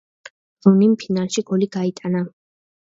რუნიმ ფინალში გოლი გაიტანა.